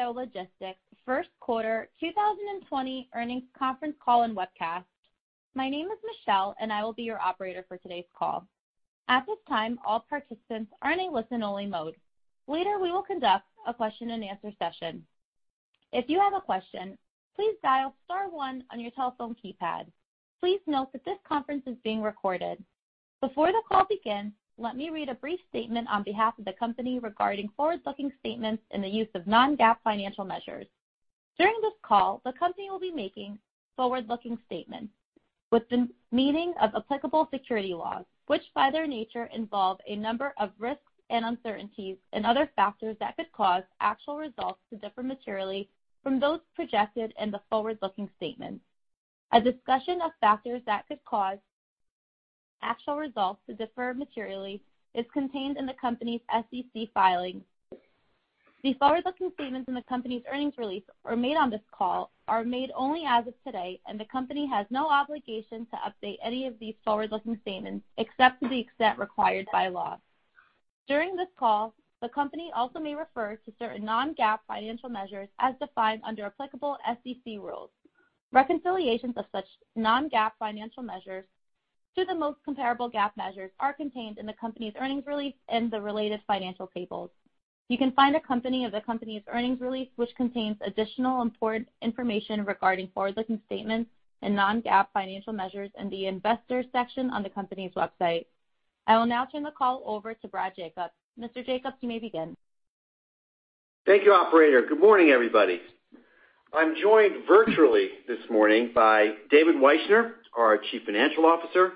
Welcome to the XPO Logistics first quarter 2020 earnings conference call and webcast. My name is Michelle, and I will be your operator for today's call. At this time, all participants are in a listen-only mode. Later, we will conduct a question-and-answer session. If you have a question, please dial star one on your telephone keypad. Please note that this conference is being recorded. Before the call begins, let me read a brief statement on behalf of the company regarding forward-looking statements and the use of non-GAAP financial measures. During this call, the company will be making forward-looking statements with the meaning of applicable security laws, which by their nature involve a number of risks and uncertainties and other factors that could cause actual results to differ materially from those projected in the forward-looking statements. A discussion of factors that could cause actual results to differ materially is contained in the company's SEC filings. The forward-looking statements in the company's earnings release or made on this call are made only as of today, and the company has no obligation to update any of these forward-looking statements, except to the extent required by law. During this call, the company also may refer to certain non-GAAP financial measures as defined under applicable SEC rules. Reconciliations of such non-GAAP financial measures to the most comparable GAAP measures are contained in the company's earnings release and the related financial tables. You can find a copy of the company's earnings release, which contains additional important information regarding forward-looking statements and non-GAAP financial measures in the Investors section on the company's website. I will now turn the call over to Brad Jacobs. Mr. Jacobs, you may begin. Thank you, operator. Good morning, everybody. I'm joined virtually this morning by David Wyshner, our Chief Financial Officer,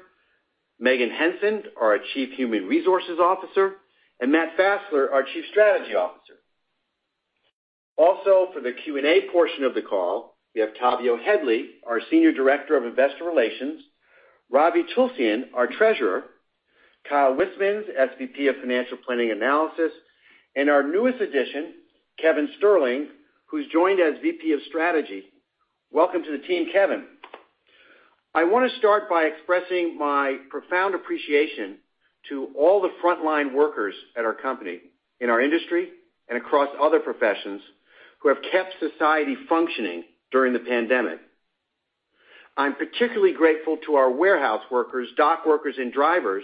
Meghan Henson, our Chief Human Resources Officer, and Matt Fassler, our Chief Strategy Officer. Also, for the Q&A portion of the call, we have Tavio Headley, our Senior Director of Investor Relations, Ravi Tulsyan, our Treasurer, Kyle Wismans, SVP of Financial Planning and Analysis, and our newest addition, Kevin Sterling, who's joined as VP of Strategy. Welcome to the team, Kevin. I want to start by expressing my profound appreciation to all the frontline workers at our company, in our industry, and across other professions who have kept society functioning during the pandemic. I'm particularly grateful to our warehouse workers, dock workers, and drivers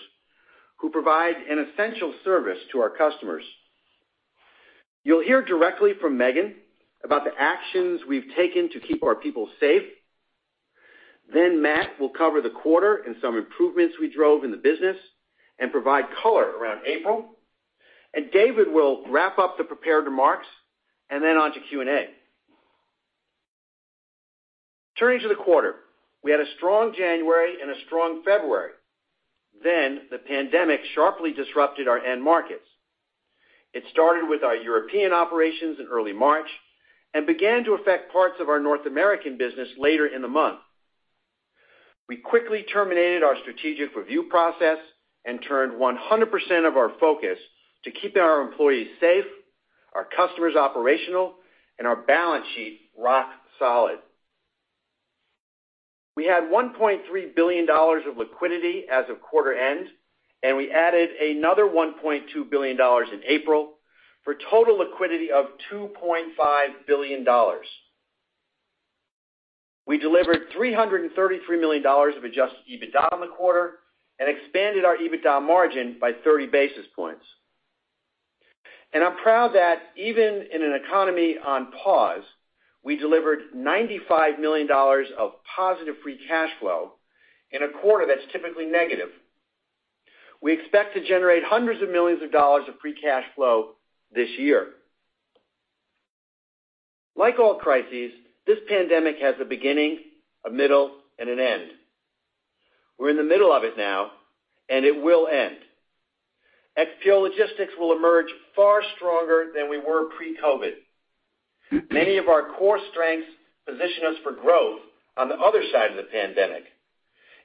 who provide an essential service to our customers. You'll hear directly from Meghan about the actions we've taken to keep our people safe. Matt will cover the quarter and some improvements we drove in the business and provide color around April. David will wrap up the prepared remarks, and then on to Q&A. Turning to the quarter, we had a strong January and a strong February. The pandemic sharply disrupted our end markets. It started with our European operations in early March and began to affect parts of our North American business later in the month. We quickly terminated our strategic review process and turned 100% of our focus to keeping our employees safe, our customers operational, and our balance sheet rock solid. We had $1.3 billion of liquidity as of quarter-end, and we added another $1.2 billion in April, for total liquidity of $2.5 billion. We delivered $333 million of adjusted EBITDA in the quarter and expanded our EBITDA margin by 30 basis points. I'm proud that even in an economy on pause, we delivered $95 million of positive free cash flow in a quarter that's typically negative. We expect to generate hundreds of millions of dollars of free cash flow this year. Like all crises, this pandemic has a beginning, a middle, and an end. We're in the middle of it now, and it will end. XPO Logistics will emerge far stronger than we were pre-COVID. Many of our core strengths position us for growth on the other side of the pandemic,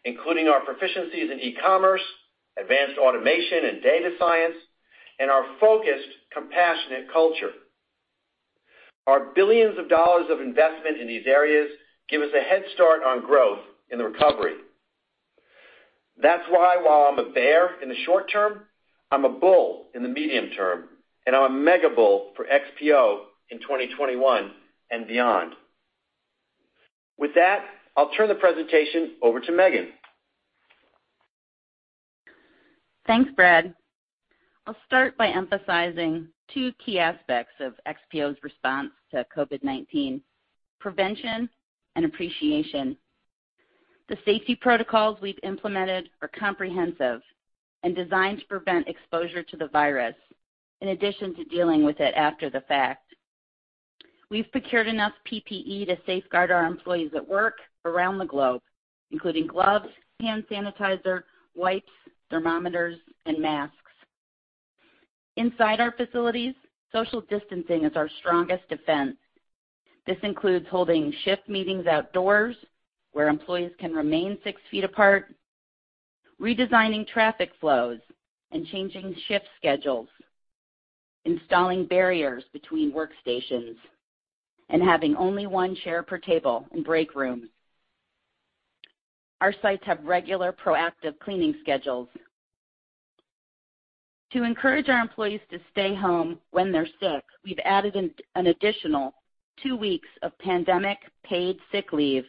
including our proficiencies in e-commerce, advanced automation and data science, and our focused, compassionate culture. Our billions of dollars of investment in these areas give us a head start on growth in the recovery. That's why while I'm a bear in the short term, I'm a bull in the medium term, and I'm a mega-bull for XPO in 2021 and beyond. With that, I'll turn the presentation over to Meghan. Thanks, Brad. I'll start by emphasizing two key aspects of XPO's response to COVID-19: prevention and appreciation. The safety protocols we've implemented are comprehensive and designed to prevent exposure to the virus, in addition to dealing with it after the fact. We've procured enough PPE to safeguard our employees at work around the globe, including gloves, hand sanitizer, wipes, thermometers, and masks. Inside our facilities, social distancing is our strongest defense. This includes holding shift meetings outdoors where employees can remain six feet apart, redesigning traffic flows and changing shift schedules, installing barriers between workstations, and having only one chair per table in break rooms. Our sites have regular proactive cleaning schedules. To encourage our employees to stay home when they're sick, we've added an additional two weeks of pandemic paid sick leave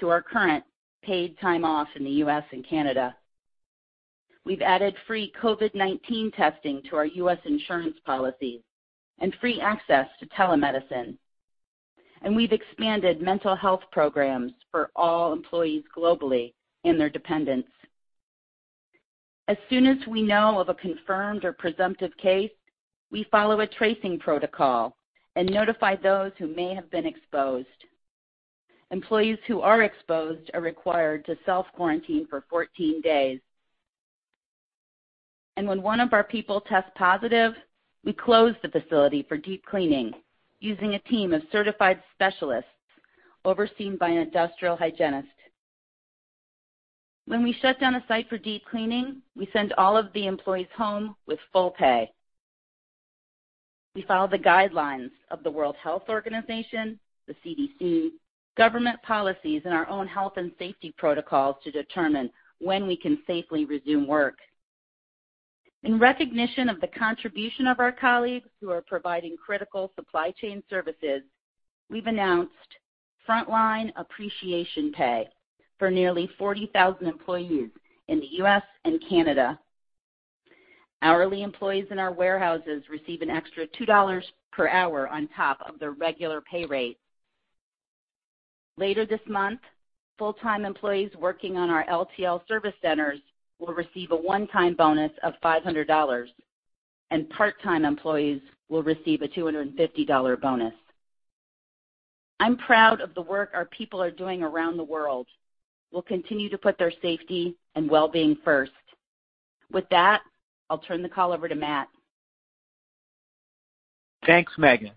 to our current paid time off in the U.S. and Canada. We've added free COVID-19 testing to our U.S. insurance policies and free access to telemedicine. We've expanded mental health programs for all employees globally and their dependents. As soon as we know of a confirmed or presumptive case, we follow a tracing protocol and notify those who may have been exposed. Employees who are exposed are required to self-quarantine for 14 days. When one of our people tests positive, we close the facility for deep cleaning using a team of certified specialists overseen by an industrial hygienist. When we shut down a site for deep cleaning, we send all of the employees home with full pay. We follow the guidelines of the World Health Organization, the CDC, government policies, and our own health and safety protocols to determine when we can safely resume work. In recognition of the contribution of our colleagues who are providing critical supply chain services, we've announced frontline appreciation pay for nearly 40,000 employees in the U.S. and Canada. Hourly employees in our warehouses receive an extra $2 per hour on top of their regular pay rate. Later this month, full-time employees working on our LTL service centers will receive a one-time bonus of $500, and part-time employees will receive a $250 bonus. I'm proud of the work our people are doing around the world. We'll continue to put their safety and well-being first. With that, I'll turn the call over to Matt. Thanks, Meghan.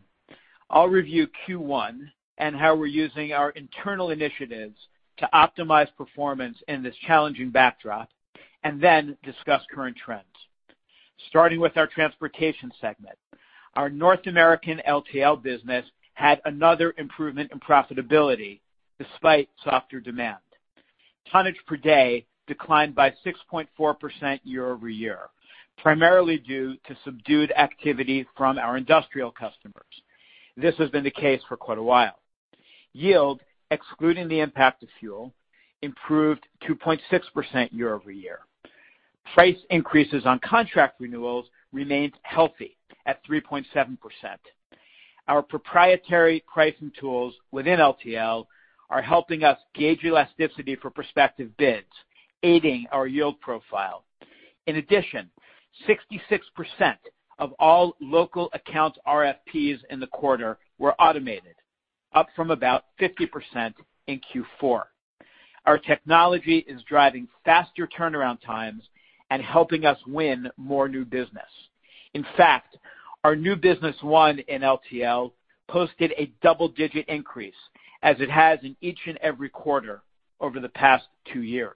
I'll review Q1 and how we're using our internal initiatives to optimize performance in this challenging backdrop, and then discuss current trends. Starting with our transportation segment. Our North American LTL business had another improvement in profitability despite softer demand. Tonnage per day declined by 6.4% year-over-year, primarily due to subdued activity from our industrial customers. This has been the case for quite a while. Yield, excluding the impact of fuel, improved 2.6% year-over-year. Price increases on contract renewals remained healthy at 3.7%. Our proprietary pricing tools within LTL are helping us gauge elasticity for prospective bids, aiding our yield profile. In addition, 66% of all local accounts RFPs in the quarter were automated, up from about 50% in Q4. Our technology is driving faster turnaround times and helping us win more new business. In fact, our new business won in LTL posted a double-digit increase, as it has in each and every quarter over the past two years.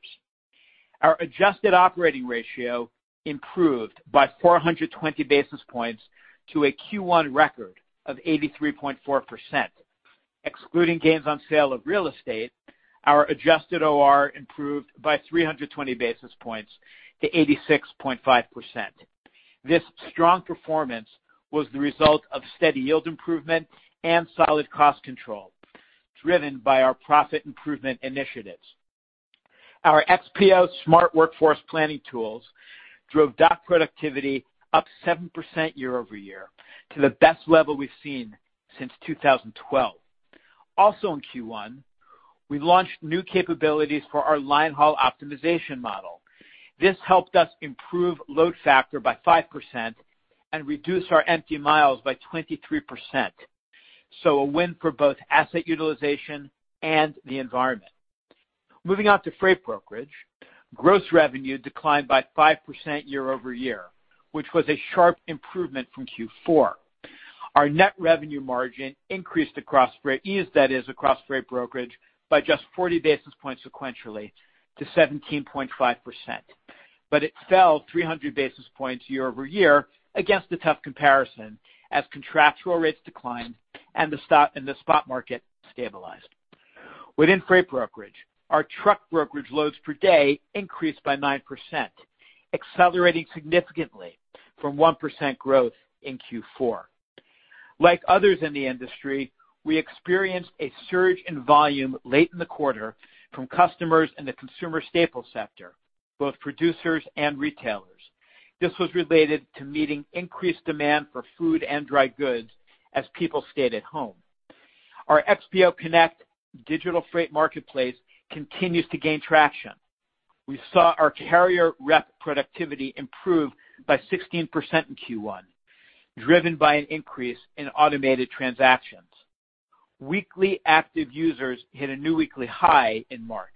Our adjusted operating ratio improved by 420 basis points to a Q1 record of 83.4%. Excluding gains on sale of real estate, our adjusted OR improved by 320 basis points to 86.5%. This strong performance was the result of steady yield improvement and solid cost control, driven by our profit improvement initiatives. Our XPO Smart workforce planning tools drove dock productivity up seven percent year-over-year to the best level we've seen since 2012. Also in Q1, we launched new capabilities for our line haul optimization model. This helped us improve load factor by 5% and reduce our empty miles by 23%. A win for both asset utilization and the environment. Moving on to freight brokerage. Gross revenue declined by 5% year over year, which was a sharp improvement from Q4. Our net revenue margin increased across freight, that is across freight brokerage, by just 40 basis points sequentially to 17.5%. It fell 300 basis points year over year against a tough comparison as contractual rates declined and the spot market stabilized. Within freight brokerage, our truck brokerage loads per day increased by 9%, accelerating significantly from 1% growth in Q4. Like others in the industry, we experienced a surge in volume late in the quarter from customers in the consumer staples sector, both producers and retailers. This was related to meeting increased demand for food and dry goods as people stayed at home. Our XPO Connect digital freight marketplace continues to gain traction. We saw our carrier rep productivity improve by 16% in Q1, driven by an increase in automated transactions. Weekly active users hit a new weekly high in March.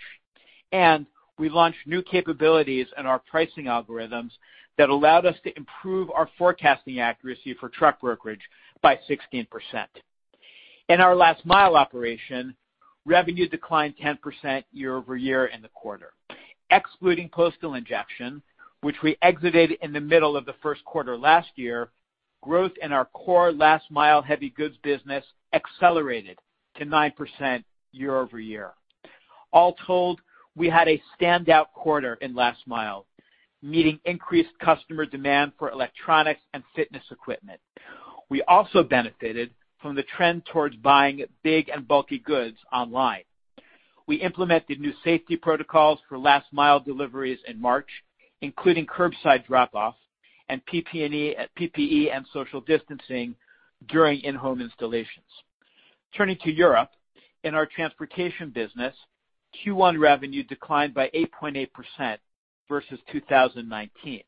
We launched new capabilities in our pricing algorithms that allowed us to improve our forecasting accuracy for truck brokerage by 16%. In our last mile operation, revenue declined 10% year-over-year in the quarter. Excluding postal injection, which we exited in the middle of the first quarter last year, growth in our core last mile heavy goods business accelerated to 9% year-over-year. All told, we had a standout quarter in last mile, meeting increased customer demand for electronics and fitness equipment. We also benefited from the trend towards buying big and bulky goods online. We implemented new safety protocols for last mile deliveries in March, including curbside drop-off and PPE and social distancing during in-home installations. Turning to Europe, in our transportation business, Q1 revenue declined by 8.8% versus 2019.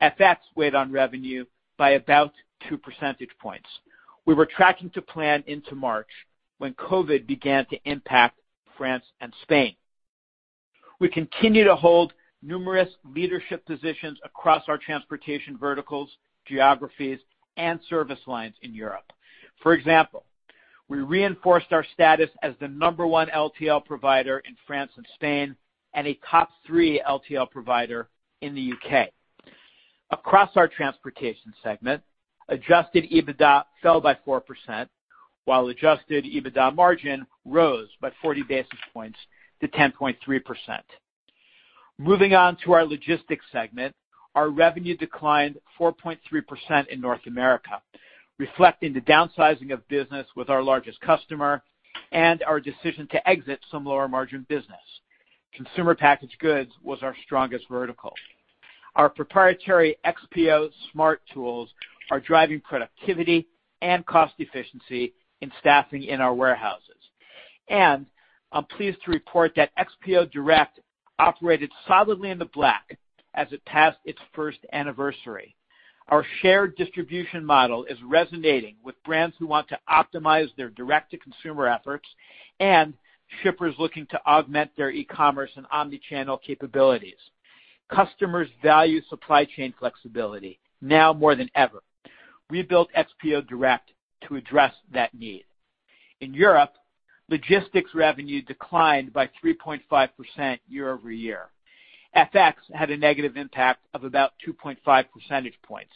FX weighed on revenue by about two percentage points. We were tracking to plan into March when COVID began to impact France and Spain. We continue to hold numerous leadership positions across our transportation verticals, geographies, and service lines in Europe. For example, we reinforced our status as the number one LTL provider in France and Spain, and a top three LTL provider in the U.K. Across our transportation segment, adjusted EBITDA fell by 4%, while adjusted EBITDA margin rose by 40 basis points to 10.3%. Moving on to our logistics segment, our revenue declined 4.3% in North America, reflecting the downsizing of business with our largest customer and our decision to exit some lower-margin business. Consumer packaged goods was our strongest vertical. I'm pleased to report that XPO Smart tools are driving productivity and cost efficiency in staffing in our warehouses. I'm pleased to report that XPO Direct operated solidly in the black as it passed its first anniversary. Our shared distribution model is resonating with brands who want to optimize their direct-to-consumer efforts and shippers looking to augment their e-commerce and omni-channel capabilities. Customers value supply chain flexibility now more than ever. We built XPO Direct to address that need. In Europe, logistics revenue declined by 3.5% year-over-year. FX had a negative impact of about 2.5 percentage points.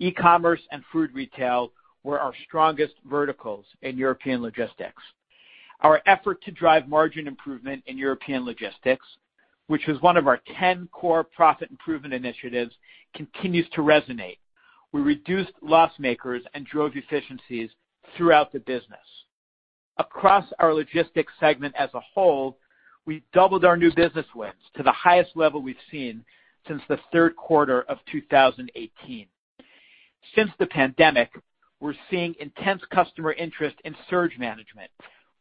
E-commerce and food retail were our strongest verticals in European logistics. Our effort to drive margin improvement in European logistics, which was one of our 10 core profit improvement initiatives, continues to resonate. We reduced loss makers and drove efficiencies throughout the business. Across our logistics segment as a whole, we doubled our new business wins to the highest level we've seen since the third quarter of 2018. Since the pandemic, we're seeing intense customer interest in surge management.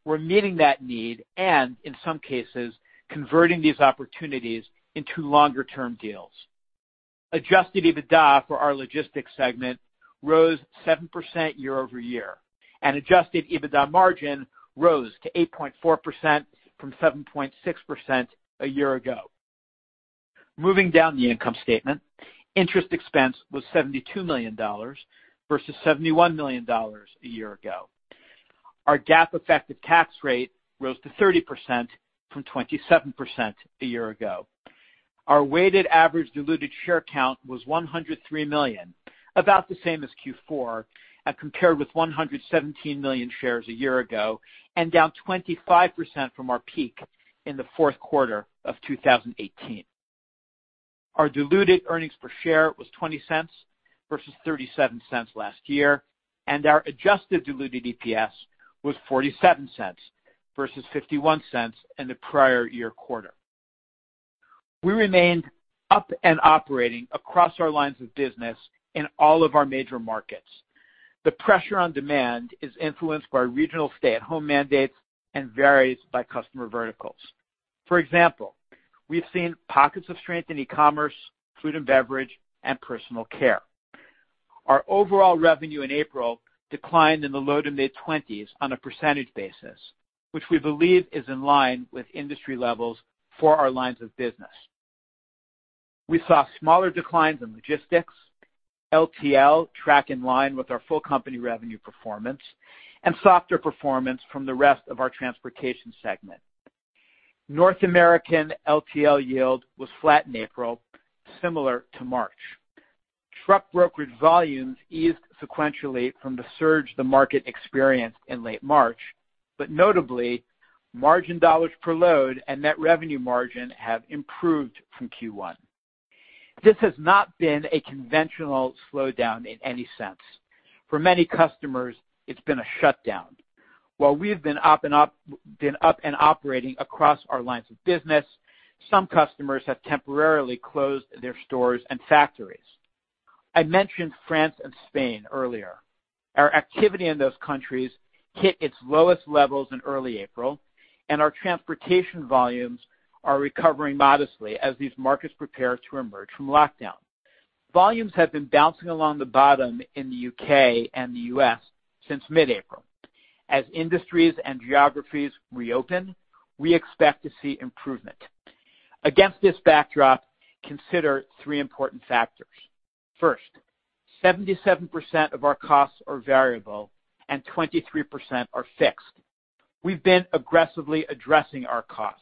We're meeting that need and, in some cases, converting these opportunities into longer-term deals. Adjusted EBITDA for our logistics segment rose 7% year-over-year, and adjusted EBITDA margin rose to 8.4% from 7.6% a year ago. Moving down the income statement, interest expense was $72 million versus $71 million a year ago. Our GAAP effective tax rate rose to 30% from 27% a year ago. Our weighted average diluted share count was 103 million, about the same as Q4, and compared with 117 million shares a year ago, and down 25% from our peak in the fourth quarter of 2018. Our diluted earnings per share was $0.20 versus $0.37 last year, and our adjusted diluted EPS was $0.47 versus $0.51 in the prior year quarter. We remained up and operating across our lines of business in all of our major markets. The pressure on demand is influenced by regional stay-at-home mandates and varies by customer verticals. For example, we've seen pockets of strength in e-commerce, food and beverage, and personal care. Our overall revenue in April declined in the low to mid-20s on a percentage basis, which we believe is in line with industry levels for our lines of business. We saw smaller declines in logistics, LTL track in line with our full company revenue performance, and softer performance from the rest of our transportation segment. North American LTL yield was flat in April, similar to March. Notably, margin dollars per load and net revenue margin have improved from Q1. This has not been a conventional slowdown in any sense. For many customers, it's been a shutdown. While we've been up and operating across our lines of business, some customers have temporarily closed their stores and factories. I mentioned France and Spain earlier. Our activity in those countries hit its lowest levels in early April. Our transportation volumes are recovering modestly as these markets prepare to emerge from lockdown. Volumes have been bouncing along the bottom in the U.K. and the U.S. since mid-April. As industries and geographies reopen, we expect to see improvement. Against this backdrop, consider three important factors. First, 77% of our costs are variable and 23% are fixed. We've been aggressively addressing our costs.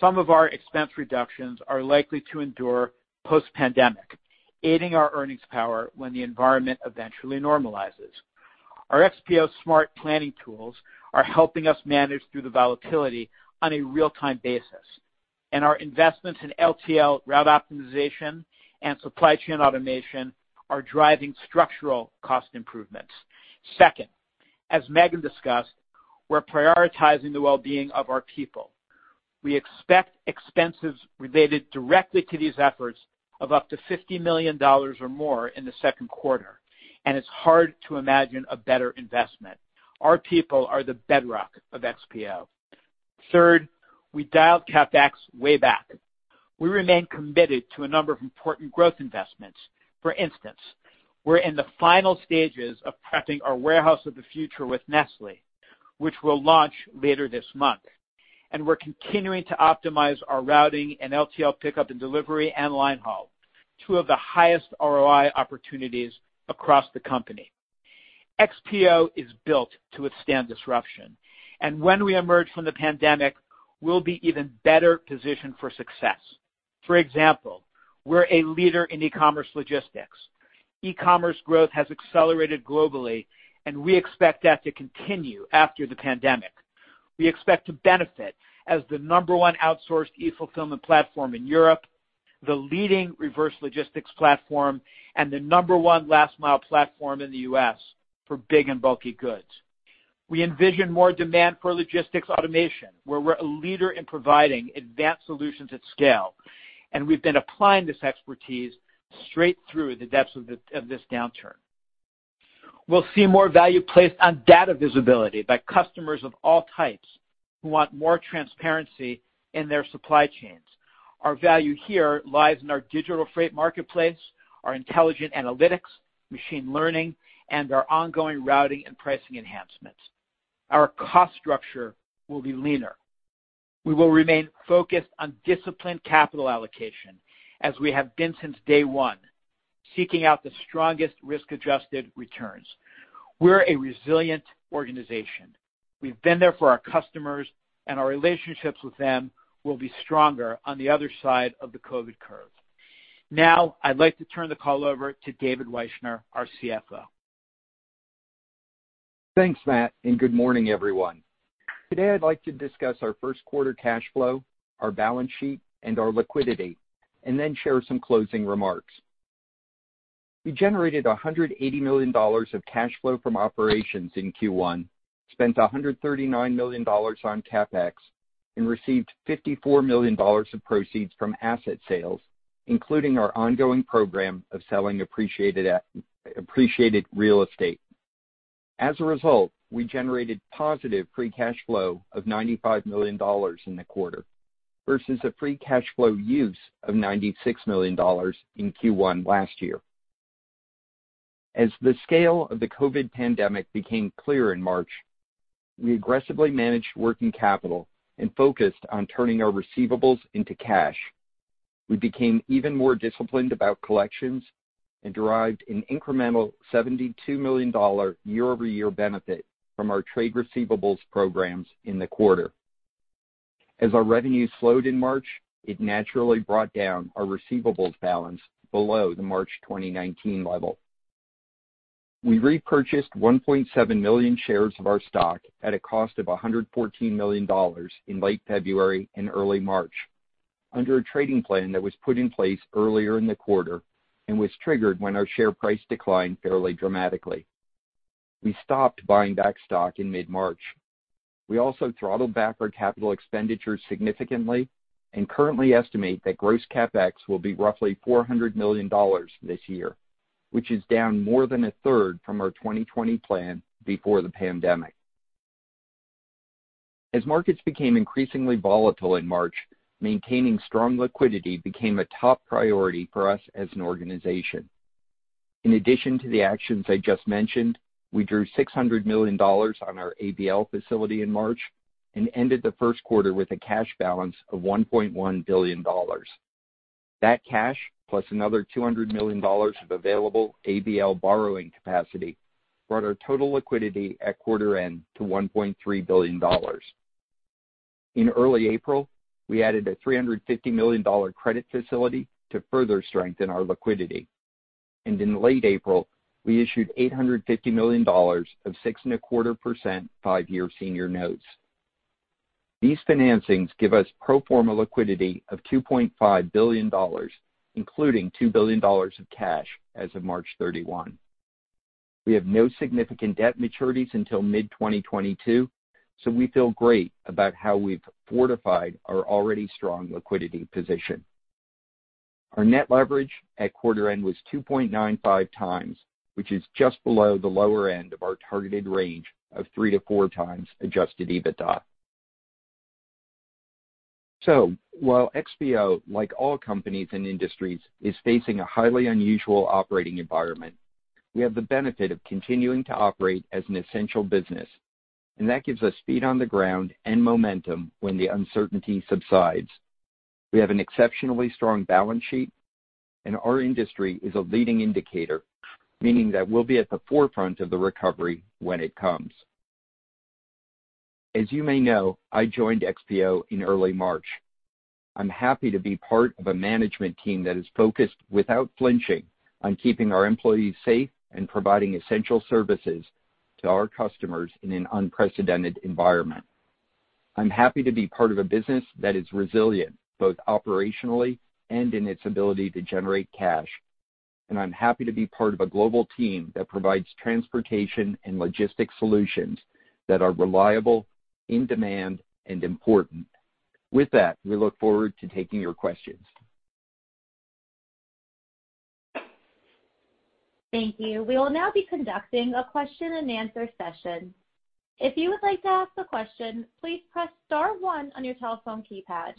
Some of our expense reductions are likely to endure post-pandemic, aiding our earnings power when the environment eventually normalizes. Our XPO Smart planning tools are helping us manage through the volatility on a real-time basis, and our investments in LTL route optimization and supply chain automation are driving structural cost improvements. Second, as Meghan discussed, we're prioritizing the well-being of our people. We expect expenses related directly to these efforts of up to $50 million or more in the second quarter, and it's hard to imagine a better investment. Our people are the bedrock of XPO. Third, we dialed CapEx way back. We remain committed to a number of important growth investments. For instance, we're in the final stages of prepping our warehouse of the future with Nestlé, which will launch later this month. We're continuing to optimize our routing and LTL pickup and delivery and line haul, two of the highest ROI opportunities across the company. XPO is built to withstand disruption, and when we emerge from the pandemic, we'll be even better positioned for success. For example, we're a leader in e-commerce logistics. E-commerce growth has accelerated globally, and we expect that to continue after the pandemic. We expect to benefit as the number one outsourced e-fulfillment platform in Europe, the leading reverse logistics platform, and the number one last-mile platform in the U.S. for big and bulky goods. We envision more demand for logistics automation, where we're a leader in providing advanced solutions at scale. We've been applying this expertise straight through the depths of this downturn. We'll see more value placed on data visibility by customers of all types who want more transparency in their supply chains. Our value here lies in our digital freight marketplace, our intelligent analytics, machine learning, and our ongoing routing and pricing enhancements. Our cost structure will be leaner. We will remain focused on disciplined capital allocation as we have been since day one, seeking out the strongest risk-adjusted returns. We're a resilient organization. We've been there for our customers, and our relationships with them will be stronger on the other side of the COVID curve. I'd like to turn the call over to David Wyshner, our CFO. Thanks, Matt, and good morning, everyone. Today, I'd like to discuss our first quarter cash flow, our balance sheet, and our liquidity, and then share some closing remarks. We generated $180 million of cash flow from operations in Q1, spent $139 million on CapEx, and received $54 million of proceeds from asset sales, including our ongoing program of selling appreciated real estate. As a result, we generated positive free cash flow of $95 million in the quarter versus a free cash flow use of $96 million in Q1 last year. As the scale of the COVID pandemic became clear in March, we aggressively managed working capital and focused on turning our receivables into cash. We became even more disciplined about collections and derived an incremental $72 million year-over-year benefit from our trade receivables programs in the quarter. As our revenue slowed in March, it naturally brought down our receivables balance below the March 2019 level. We repurchased 1.7 million shares of our stock at a cost of $114 million in late February and early March under a trading plan that was put in place earlier in the quarter and was triggered when our share price declined fairly dramatically. We stopped buying back stock in mid-March. We also throttled back our capital expenditures significantly and currently estimate that gross CapEx will be roughly $400 million this year, which is down more than a third from our 2020 plan before the pandemic. As markets became increasingly volatile in March, maintaining strong liquidity became a top priority for us as an organization. In addition to the actions I just mentioned, we drew $600 million on our ABL facility in March and ended the first quarter with a cash balance of $1.1 billion. That cash, plus another $200 million of available ABL borrowing capacity, brought our total liquidity at quarter end to $1.3 billion. In early April, we added a $350 million credit facility to further strengthen our liquidity. In late April, we issued $850 million of 6.25% five-year senior notes. These financings give us pro forma liquidity of $2.5 billion, including $2 billion of cash as of March 31. We have no significant debt maturities until mid-2022, so we feel great about how we've fortified our already strong liquidity position. Our net leverage at quarter end was 2.95x, which is just below the lower end of our targeted range of 3x to 4x adjusted EBITDA. While XPO, like all companies and industries, is facing a highly unusual operating environment, we have the benefit of continuing to operate as an essential business, and that gives us feet on the ground and momentum when the uncertainty subsides. We have an exceptionally strong balance sheet, and our industry is a leading indicator, meaning that we'll be at the forefront of the recovery when it comes. As you may know, I joined XPO in early March. I'm happy to be part of a management team that is focused, without flinching, on keeping our employees safe and providing essential services to our customers in an unprecedented environment. I'm happy to be part of a business that is resilient, both operationally and in its ability to generate cash. I'm happy to be part of a global team that provides transportation and logistics solutions that are reliable, in demand, and important. With that, we look forward to taking your questions. Thank you. We will now be conducting a question-and-answer session. If you would like to ask a question, please press star one on your telephone keypad.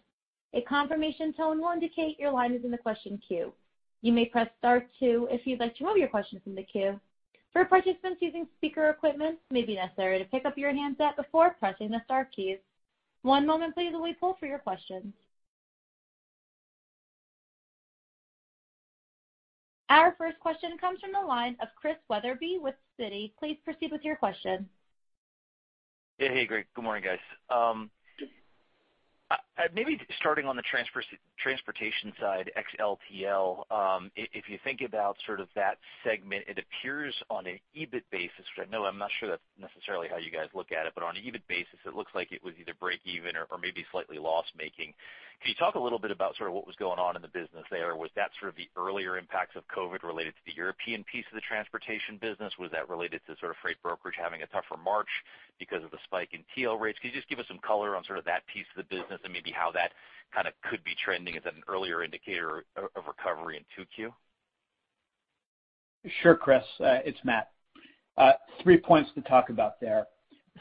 A confirmation tone will indicate your line is in the question queue. You may press star two if you'd like to remove your question from the queue. For participants using speaker equipment, it may be necessary to pick up your handset before pressing the star keys. One moment please while we poll for your questions. Our first question comes from the line of Chris Wetherbee with Citi. Please proceed with your question. Hey. Great. Good morning, guys. Maybe starting on the transportation side, ex-LTL. If you think about that segment, it appears on an EBIT basis, which I know I'm not sure that's necessarily how you guys look at it, but on an EBIT basis, it looks like it was either breakeven or maybe slightly loss-making. Can you talk a little bit about what was going on in the business there? Was that the earlier impacts of COVID related to the European piece of the transportation business? Was that related to freight brokerage having a tougher March because of the spike in TL rates? Can you just give us some color on that piece of the business and maybe how that could be trending as an earlier indicator of recovery in 2Q? Sure, Chris. It's Matt. Three points to talk about there.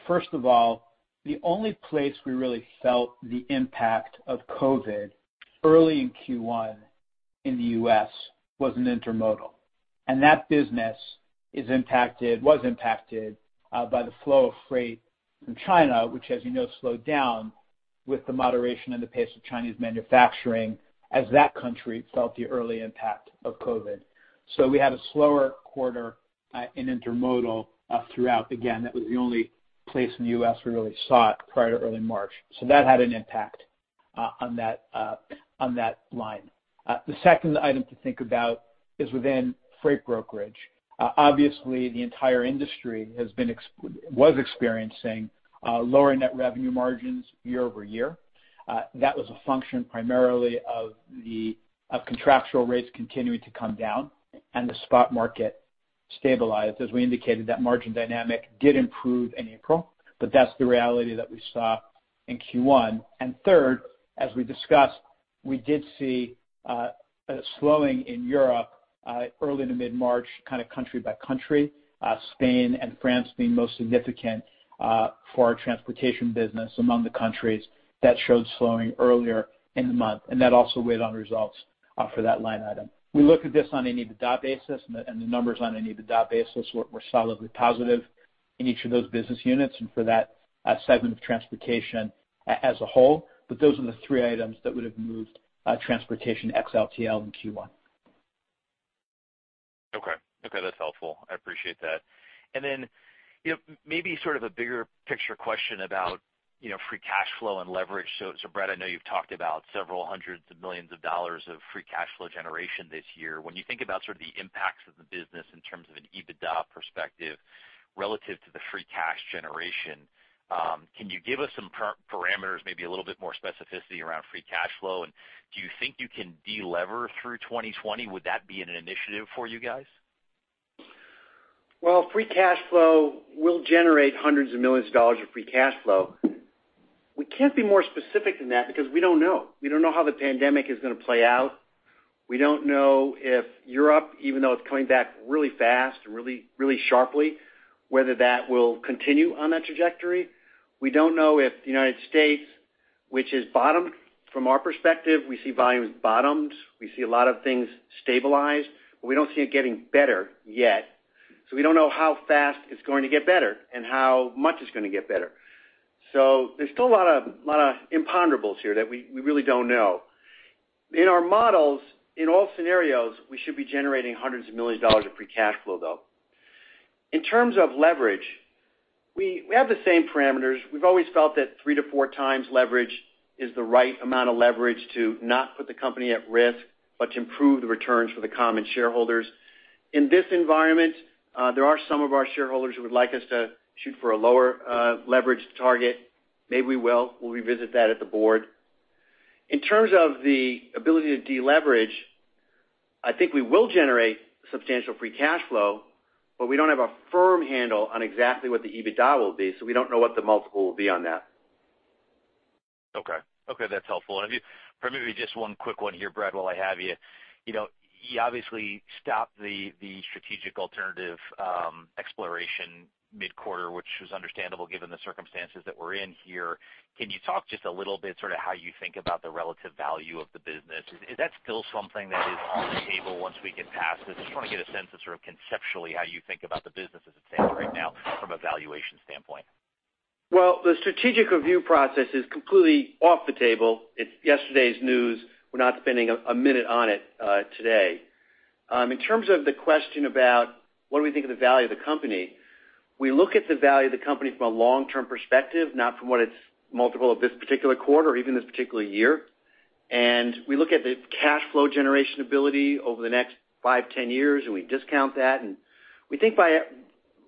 First of all, the only place we really felt the impact of COVID early in Q1 in the U.S. was in intermodal. That business was impacted by the flow of freight from China, which as you know slowed down with the moderation in the pace of Chinese manufacturing as that country felt the early impact of COVID. We had a slower quarter in intermodal throughout. Again, that was the only place in the U.S. we really saw it prior to early March. That had an impact on that line. The second item to think about is within freight brokerage. Obviously the entire industry was experiencing lower net revenue margins year-over-year. That was a function primarily of contractual rates continuing to come down and the spot market stabilize. As we indicated, that margin dynamic did improve in April, but that's the reality that we saw in Q1. Third, as we discussed, we did see a slowing in Europe early to mid-March country by country. Spain and France being most significant for our transportation business among the countries that showed slowing earlier in the month. That also weighed on results for that line item. We look at this on an EBITDA basis, and the numbers on an EBITDA basis were solidly positive in each of those business units and for that segment of transportation as a whole. Those are the three items that would've moved transportation ex-LTL in Q1. Okay. That's helpful. I appreciate that. Then maybe a bigger picture question about free cash flow and leverage. Brad, I know you've talked about several hundreds of millions of dollars of free cash flow generation this year. When you think about the impacts of the business in terms of an EBITDA perspective relative to the free cash generation, can you give us some parameters, maybe a little bit more specificity around free cash flow, and do you think you can de-lever through 2020? Would that be an initiative for you guys? Well, free cash flow, we'll generate hundreds of millions of dollars of free cash flow. We can't be more specific than that because we don't know. We don't know how the pandemic is going to play out. We don't know if Europe, even though it's coming back really fast and really sharply, whether that will continue on that trajectory. We don't know if the United States, which from our perspective we see volumes bottomed. We see a lot of things stabilized, but we don't see it getting better yet. We don't know how fast it's going to get better and how much it's going to get better. There's still a lot of imponderables here that we really don't know. In our models, in all scenarios, we should be generating hundreds of millions of dollars of free cash flow, though. In terms of leverage, we have the same parameters. We've always felt that three to four times leverage is the right amount of leverage to not put the company at risk, but to improve the returns for the common shareholders. In this environment, there are some of our shareholders who would like us to shoot for a lower leverage target. Maybe we will. We'll revisit that at the board. In terms of the ability to de-leverage, I think we will generate substantial free cash flow, but we don't have a firm handle on exactly what the EBITDA will be. We don't know what the multiple will be on that. Okay. That's helpful. If you, for maybe just one quick one here, Brad, while I have you. You obviously stopped the strategic alternative exploration mid-quarter, which was understandable given the circumstances that we're in here. Can you talk just a little bit how you think about the relative value of the business? Is that still something that is on the table once we get past this? I just want to get a sense of conceptually how you think about the business as it stands right now from a valuation standpoint. Well, the strategic review process is completely off the table. It's yesterday's news. We're not spending a minute on it today. In terms of the question about what do we think of the value of the company, we look at the value of the company from a long-term perspective, not from what its multiple of this particular quarter or even this particular year. We look at the cash flow generation ability over the next five, ten years, and we discount that. We think by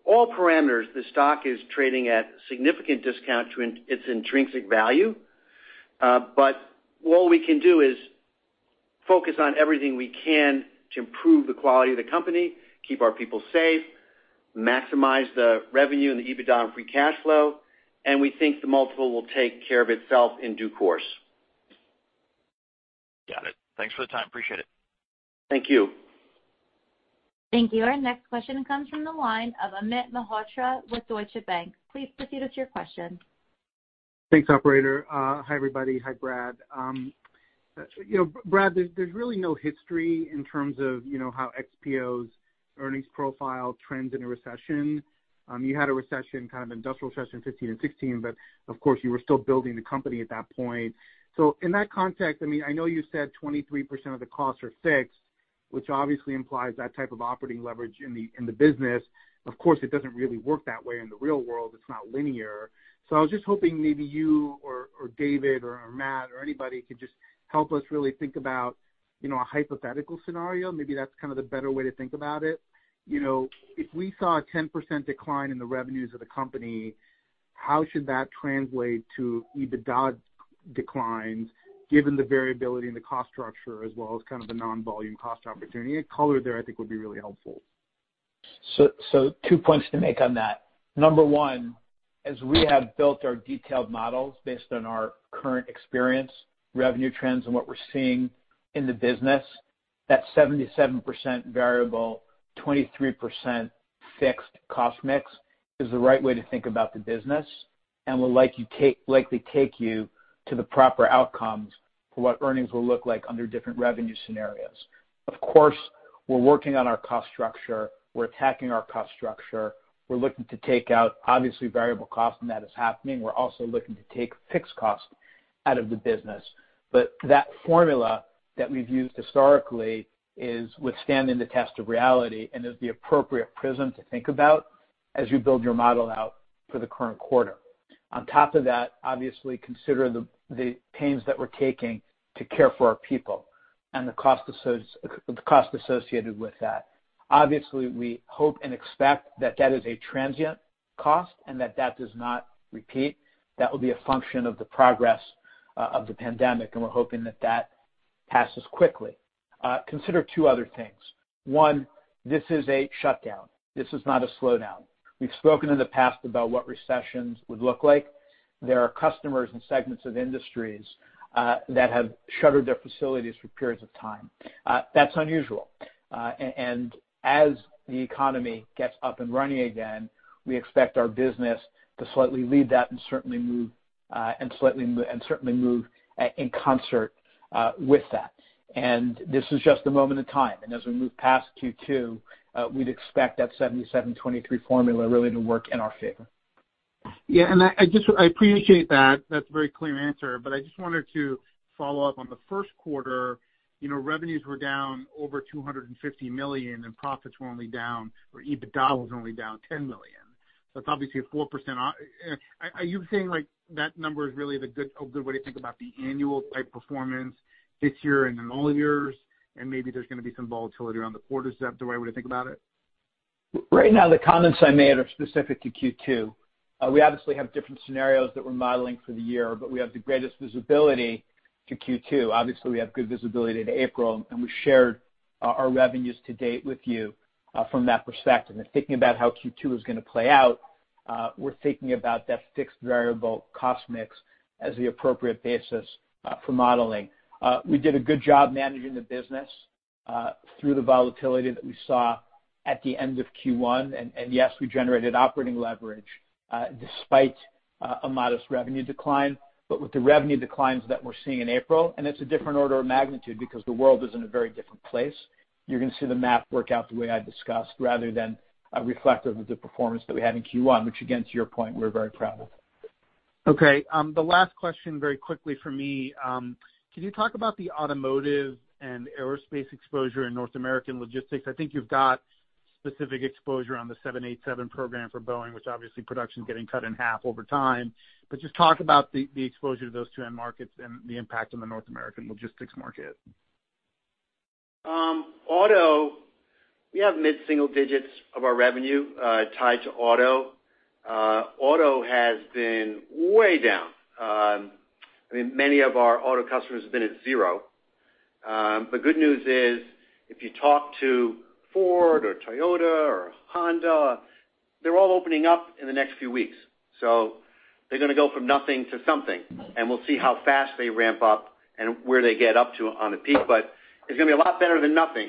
all parameters, the stock is trading at a significant discount to its intrinsic value. All we can do is focus on everything we can to improve the quality of the company, keep our people safe, maximize the revenue and the EBITDA and free cash flow, and we think the multiple will take care of itself in due course. Got it. Thanks for the time. Appreciate it. Thank you. Thank you. Our next question comes from the line of Amit Mehrotra with Deutsche Bank. Please proceed with your question. Thanks, operator. Hi, everybody. Hi, Brad. Brad, there's really no history in terms of how XPO's earnings profile trends in a recession. You had a recession, kind of industrial recession 2015 and 2016, but of course, you were still building the company at that point. In that context, I know you said 23% of the costs are fixed, which obviously implies that type of operating leverage in the business. Of course, it doesn't really work that way in the real world. It's not linear. I was just hoping maybe you or David or Matt or anybody could just help us really think about a hypothetical scenario. Maybe that's kind of the better way to think about it. If we saw a 10% decline in the revenues of the company, how should that translate to EBITDA declines given the variability in the cost structure as well as kind of the non-volume cost opportunity? A color there I think would be really helpful. Two points to make on that. Number one, as we have built our detailed models based on our current experience, revenue trends and what we're seeing in the business, that 77% variable, 23% fixed cost mix is the right way to think about the business and will likely take you to the proper outcomes for what earnings will look like under different revenue scenarios. Of course, we're working on our cost structure. We're attacking our cost structure. We're looking to take out obviously variable cost, and that is happening. We're also looking to take fixed cost out of the business. That formula that we've used historically is withstanding the test of reality and is the appropriate prism to think about as you build your model out for the current quarter. On top of that, obviously consider the pains that we're taking to care for our people and the cost associated with that. Obviously, we hope and expect that that is a transient cost and that that does not repeat. That will be a function of the progress of the pandemic, and we're hoping that that passes quickly. Consider two other things. One, this is a shutdown. This is not a slowdown. We've spoken in the past about what recessions would look like. There are customers and segments of industries that have shuttered their facilities for periods of time. That's unusual. As the economy gets up and running again, we expect our business to slightly lead that and certainly move in concert with that. This is just a moment in time. As we move past Q2, we'd expect that 77%/23% formula really to work in our favor. Yeah. I appreciate that. That's a very clear answer. I just wanted to follow up on the first quarter. Revenues were down over $250 million, profits were only down, or EBITDA was only down $10 million. That's obviously a 4%. Are you saying that number is really a good way to think about the annual type performance this year and in all years, maybe there's going to be some volatility around the quarters? Is that the right way to think about it? Right now, the comments I made are specific to Q2. We obviously have different scenarios that we're modeling for the year, but we have the greatest visibility to Q2. Obviously, we have good visibility to April, and we shared our revenues to date with you from that perspective. Thinking about how Q2 is going to play out, we're thinking about that fixed variable cost mix as the appropriate basis for modeling. We did a good job managing the business through the volatility that we saw at the end of Q1, and yes, we generated operating leverage despite a modest revenue decline. With the revenue declines that we're seeing in April, and it's a different order of magnitude because the world is in a very different place, you're going to see the math work out the way I discussed rather than reflective of the performance that we had in Q1, which again, to your point, we're very proud of. Okay. The last question very quickly from me. Can you talk about the automotive and aerospace exposure in North American logistics? I think you've got specific exposure on the 787 program for Boeing, which obviously production is getting cut in half over time. Just talk about the exposure to those two end markets and the impact on the North American logistics market. Auto, we have mid-single digits of our revenue tied to auto. Auto has been way down. Many of our auto customers have been at zero. The good news is if you talk to Ford or Toyota or Honda, they're all opening up in the next few weeks. They're going to go from nothing to something, and we'll see how fast they ramp up and where they get up to on the peak, but it's going to be a lot better than nothing.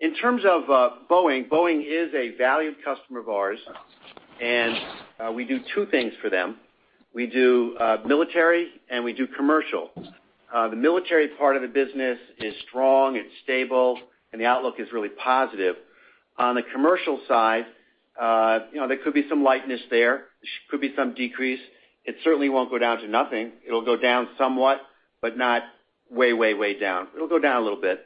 In terms of Boeing is a valued customer of ours, and we do two things for them. We do military and we do commercial. The military part of the business is strong, it's stable, and the outlook is really positive. On the commercial side, there could be some lightness there. There could be some decrease. It certainly won't go down to nothing. It'll go down somewhat, but not way down. It'll go down a little bit.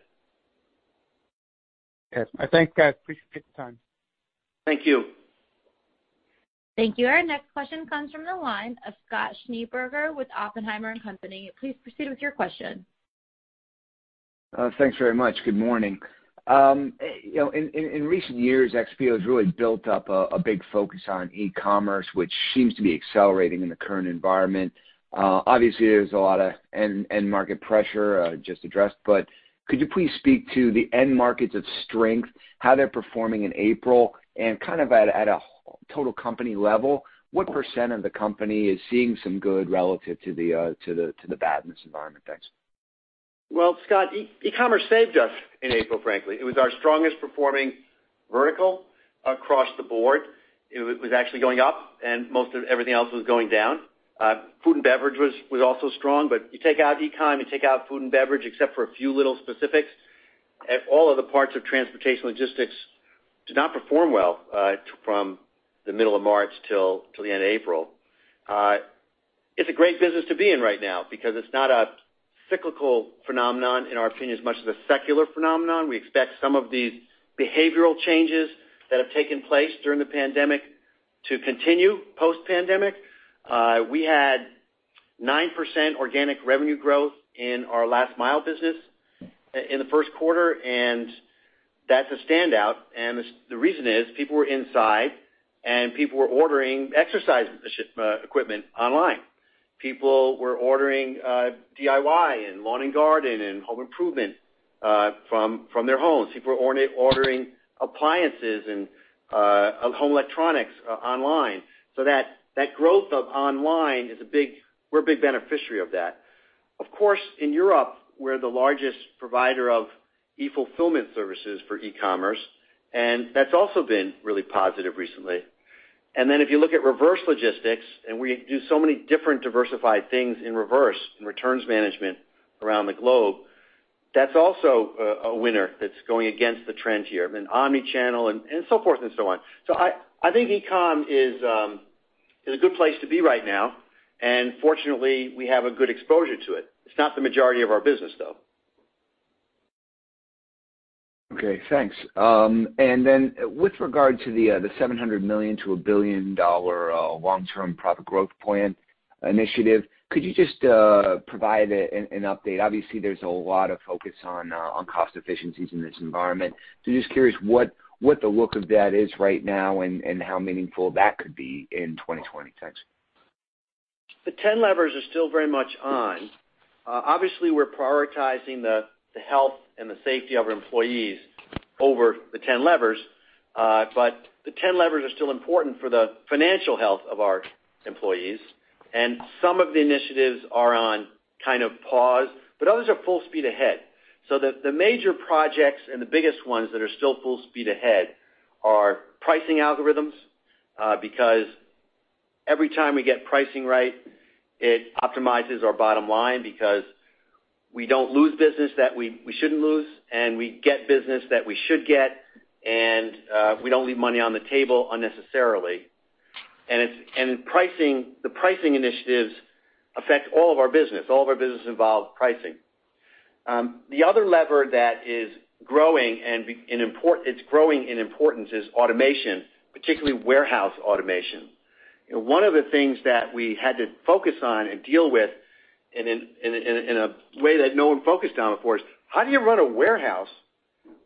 Okay. I thank, guys, appreciate the time. Thank you. Thank you. Our next question comes from the line of Scott Schneeberger with Oppenheimer & Company. Please proceed with your question. Thanks very much. Good morning. In recent years, XPO has really built up a big focus on e-commerce, which seems to be accelerating in the current environment. Obviously, there's a lot of end market pressure just addressed, could you please speak to the end markets of strength, how they're performing in April, and at a total company level, what percent of the company is seeing some good relative to the bad in this environment? Thanks. Well, Scott, e-commerce saved us in April, frankly. It was our strongest performing vertical across the board. It was actually going up and most of everything else was going down. Food and beverage was also strong, but you take out e-com, you take out food and beverage, except for a few little specifics. All of the parts of transportation logistics did not perform well from the middle of March till the end of April. It's a great business to be in right now because it's not a cyclical phenomenon, in our opinion, as much as a secular phenomenon. We expect some of these behavioral changes that have taken place during the pandemic to continue post-pandemic. We had 9% organic revenue growth in our last mile business in the first quarter, and that's a standout. The reason is, people were inside, and people were ordering exercise equipment online. People were ordering DIY and lawn and garden and home improvement from their homes. People were ordering appliances and home electronics online. That growth of online, we're a big beneficiary of that. Of course, in Europe, we're the largest provider of e-fulfillment services for e-commerce, and that's also been really positive recently. If you look at reverse logistics, and we do so many different diversified things in reverse, in returns management around the globe. That's also a winner that's going against the trend here. I mean, omni-channel and so forth and so on. I think e-com is a good place to be right now, and fortunately, we have a good exposure to it. It's not the majority of our business, though. Okay, thanks. With regard to the $700 million-$1 billion long-term profit growth initiative, could you just provide an update? Obviously, there's a lot of focus on cost efficiencies in this environment. Just curious what the look of that is right now and how meaningful that could be in 2020. Thanks. The 10 levers are still very much on. Obviously, we're prioritizing the health and the safety of our employees over the 10 levers. The 10 levers are still important for the financial health of our employees. Some of the initiatives are on kind of pause, but others are full speed ahead. The major projects and the biggest ones that are still full speed ahead are pricing algorithms. Every time we get pricing right, it optimizes our bottom line because we don't lose business that we shouldn't lose, and we get business that we should get, and we don't leave money on the table unnecessarily. The pricing initiatives affect all of our business. All of our business involve pricing. The other lever that is growing, and it's growing in importance, is automation, particularly warehouse automation. One of the things that we had to focus on and deal with in a way that no one focused on before is, how do you run a warehouse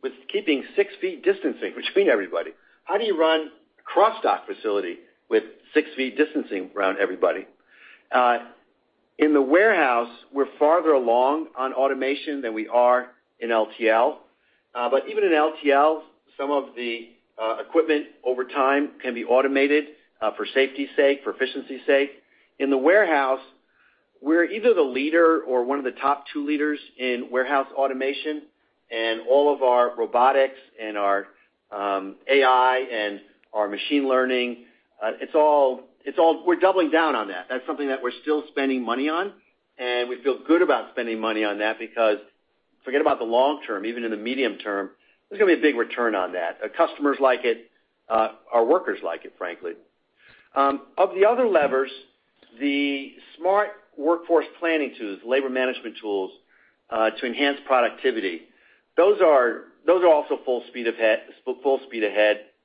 with keeping six feet distancing between everybody? How do you run a cross-dock facility with six feet distancing around everybody? In the warehouse, we're farther along on automation than we are in LTL. Even in LTL, some of the equipment over time can be automated for safety's sake, for efficiency's sake. In the warehouse, we're either the leader or one of the top two leaders in warehouse automation, and all of our robotics and our AI and our machine learning, we're doubling down on that. That's something that we're still spending money on, and we feel good about spending money on that because forget about the long term, even in the medium term, there's going to be a big return on that. Our customers like it. Our workers like it, frankly. Of the other levers, the XPO Smart workforce planning tools, labor management tools to enhance productivity. Those are also full speed ahead.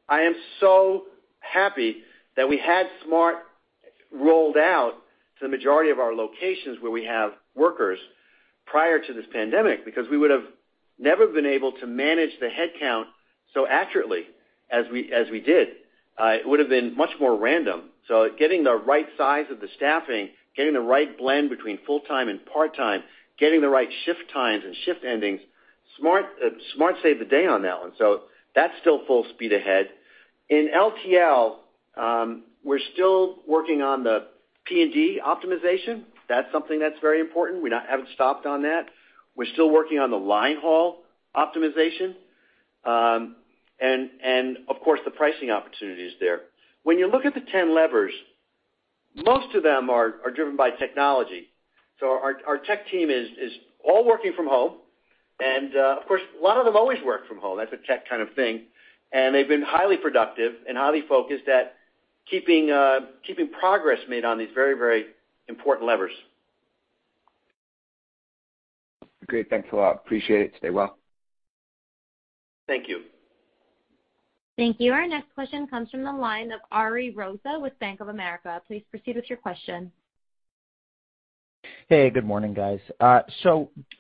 I am so happy that we had XPO Smart rolled out to the majority of our locations where we have workers prior to this pandemic because we would have never been able to manage the headcount so accurately as we did. It would have been much more random. Getting the right size of the staffing, getting the right blend between full-time and part-time, getting the right shift times and shift endings, XPO Smart saved the day on that one. That's still full speed ahead. In LTL, we're still working on the P&D optimization. That's something that's very important. We haven't stopped on that. We're still working on the line haul optimization. Of course, the pricing opportunities there. When you look at the 10 levers. Most of them are driven by technology. Our tech team is all working from home, and of course, a lot of them always work from home. That's a tech kind of thing. They've been highly productive and highly focused at keeping progress made on these very important levers. Great. Thanks a lot. Appreciate it. Stay well. Thank you. Thank you. Our next question comes from the line of Ari Rosa with Bank of America. Please proceed with your question. Hey, good morning, guys.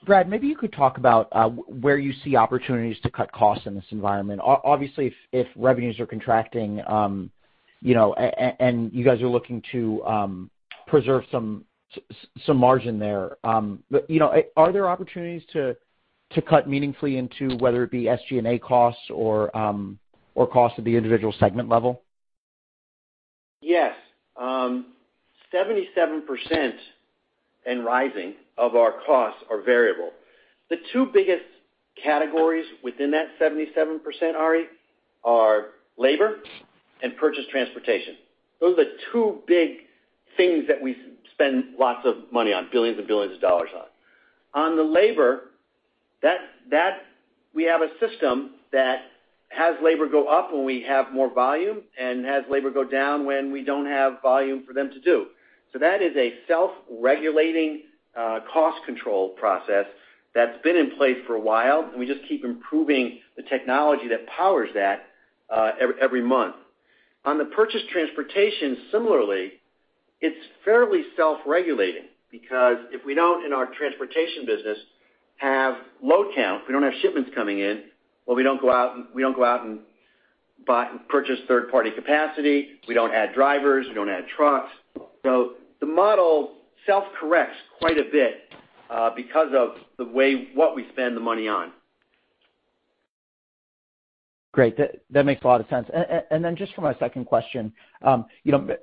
Brad, maybe you could talk about where you see opportunities to cut costs in this environment. Obviously, if revenues are contracting, and you guys are looking to preserve some margin there. Are there opportunities to cut meaningfully into whether it be SGA costs or cost at the individual segment level? Yes. 77% and rising of our costs are variable. The two biggest categories within that 77%, Ari, are labor and purchase transportation. Those are the two big things that we spend lots of money on, billions and billions of dollars on. On the labor, we have a system that has labor go up when we have more volume and has labor go down when we don't have volume for them to do. That is a self-regulating cost control process that's been in place for a while, and we just keep improving the technology that powers that every month. On the purchase transportation, similarly, it's fairly self-regulating because if we don't, in our transportation business, have load count, if we don't have shipments coming in, well, we don't go out and purchase third-party capacity. We don't add drivers. We don't add trucks. The model self-corrects quite a bit because of what we spend the money on. Great. That makes a lot of sense. Just for my second question,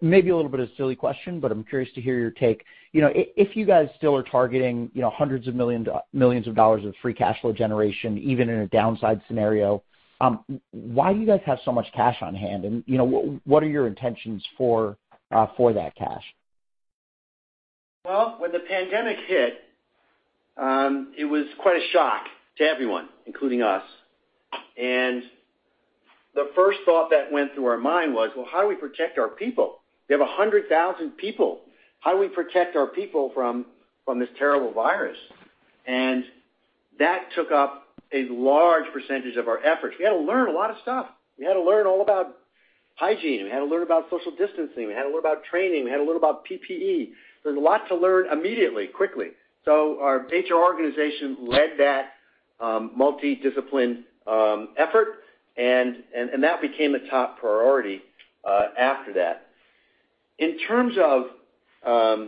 maybe a little bit of a silly question, but I'm curious to hear your take. If you guys still are targeting hundreds of millions of dollars of free cash flow generation, even in a downside scenario, why do you guys have so much cash on hand? What are your intentions for that cash? Well, when the pandemic hit, it was quite a shock to everyone, including us. The first thought that went through our mind was, "Well, how do we protect our people?" We have 100,000 people. How do we protect our people from this terrible virus? That took up a large percentage of our efforts. We had to learn a lot of stuff. We had to learn all about hygiene, and we had to learn about social distancing. We had to learn about training. We had to learn about PPE. There's a lot to learn immediately, quickly. Our HR organization led that multi-disciplined effort, and that became a top priority after that. In terms of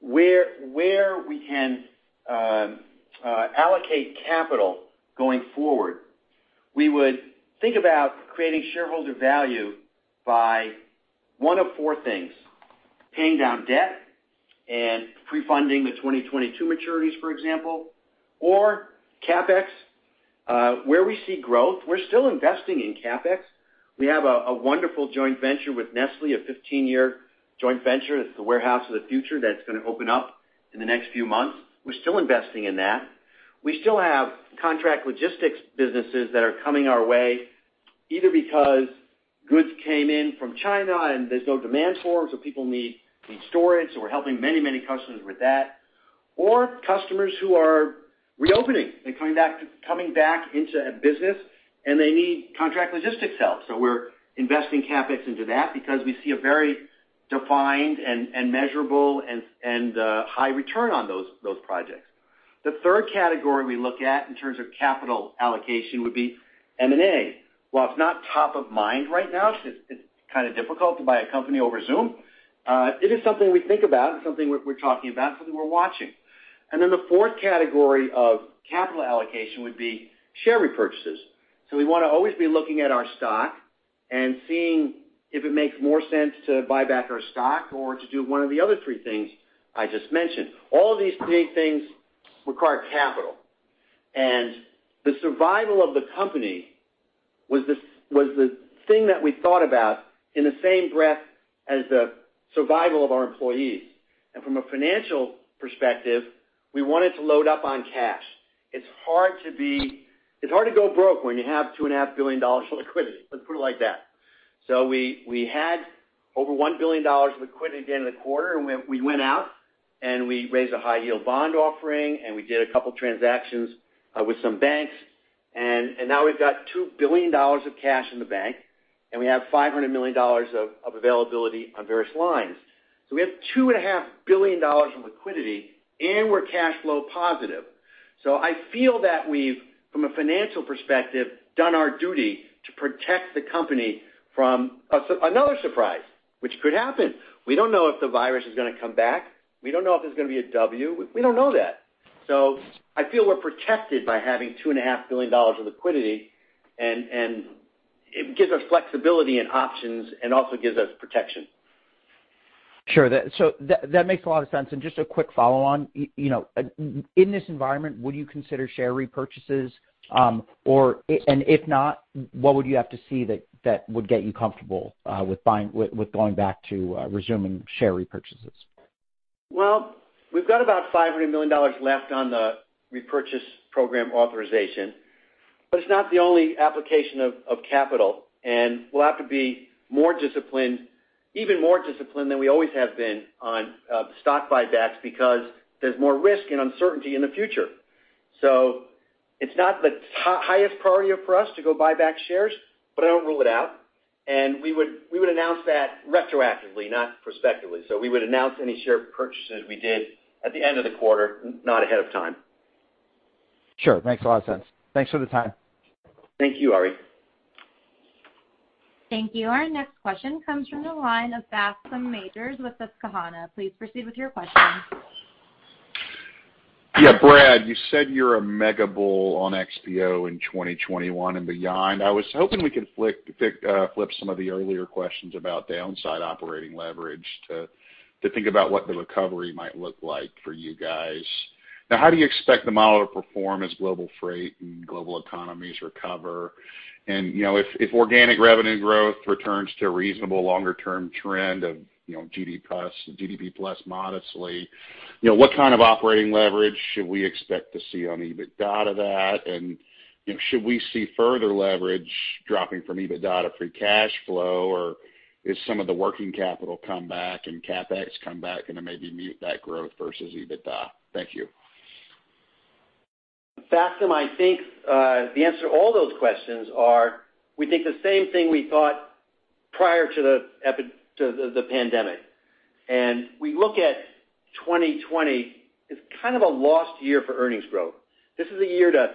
where we can allocate capital going forward, we would think about creating shareholder value by one of four things. Paying down debt and pre-funding the 2022 maturities, for example, or CapEx. Where we see growth, we're still investing in CapEx. We have a wonderful joint venture with Nestlé, a 15-year joint venture. That's the warehouse of the future that's going to open up in the next few months. We're still investing in that. We still have contract logistics businesses that are coming our way, either because goods came in from China and there's no demand for them, so people need storage. We're helping many customers with that, or customers who are reopening and coming back into a business, and they need contract logistics help. We're investing CapEx into that because we see a very defined and measurable and high return on those projects. The third category we look at in terms of capital allocation would be M&A. While it's not top of mind right now, it's kind of difficult to buy a company over Zoom, it is something we think about and something we're talking about, something we're watching. Then the fourth category of capital allocation would be share repurchases. We want to always be looking at our stock and seeing if it makes more sense to buy back our stock or to do one of the other three things I just mentioned. All of these big things require capital, and the survival of the company was the thing that we thought about in the same breath as the survival of our employees. From a financial perspective, we wanted to load up on cash. It's hard to go broke when you have $2.5 billion of liquidity. Let's put it like that. We had over $1 billion of liquidity at the end of the quarter, and we went out, and we raised a high-yield bond offering, and we did a couple transactions with some banks, and now we've got $2 billion of cash in the bank, and we have $500 million of availability on various lines. We have $2.5 billion in liquidity, and we're cash flow positive. I feel that we've, from a financial perspective, done our duty to protect the company from another surprise, which could happen. We don't know if the virus is going to come back. We don't know if there's going to be a W. We don't know that. I feel we're protected by having $2.5 billion of liquidity, and it gives us flexibility and options and also gives us protection. Sure. That makes a lot of sense. Just a quick follow on. In this environment, would you consider share repurchases? If not, what would you have to see that would get you comfortable with going back to resuming share repurchases? We've got about $500 million left on the repurchase program authorization. It's not the only application of capital. We'll have to be more disciplined, even more disciplined than we always have been on stock buybacks because there's more risk and uncertainty in the future. It's not the highest priority for us to go buy back shares. I don't rule it out. We would announce that retroactively, not prospectively. We would announce any share purchases we did at the end of the quarter, not ahead of time. Sure. Makes a lot of sense. Thanks for the time. Thank you, Ari. Thank you. Our next question comes from the line of Bascome Majors with Susquehanna. Please proceed with your question. Yeah. Brad, you said you're a mega-bull on XPO in 2021 and beyond. I was hoping we could flip some of the earlier questions about downside operating leverage to think about what the recovery might look like for you guys. How do you expect the model to perform as global freight and global economies recover? If organic revenue growth returns to a reasonable longer-term trend of GDP plus modestly, what kind of operating leverage should we expect to see on EBITDA out of that? Should we see further leverage dropping from EBITDA to free cash flow, or is some of the working capital come back and CapEx come back and then maybe mute that growth versus EBITDA? Thank you. Bascome, I think, the answer to all those questions are, we think the same thing we thought prior to the pandemic. We look at 2020 as kind of a lost year for earnings growth. This is a year to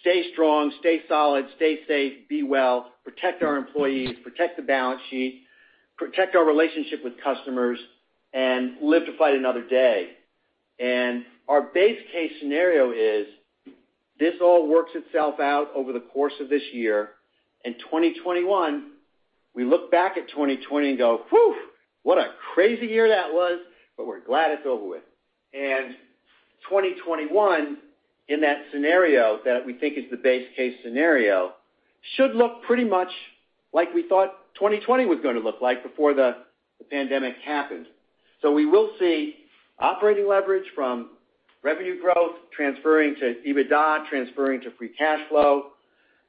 stay strong, stay solid, stay safe, be well, protect our employees, protect the balance sheet, protect our relationship with customers, and live to fight another day. Our base case scenario is this all works itself out over the course of this year, and 2021, we look back at 2020 and go, "Whew, what a crazy year that was, but we're glad it's over with." 2021, in that scenario that we think is the base case scenario, should look pretty much like we thought 2020 was going to look like before the pandemic happened. We will see operating leverage from revenue growth transferring to EBITDA, transferring to free cash flow.